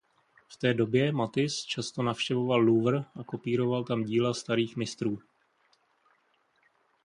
V té době Matisse často navštěvoval Louvre a kopíroval tam díla starých mistrů.